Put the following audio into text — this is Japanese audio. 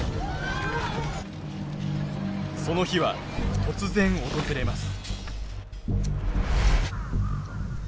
その日は突然訪れます。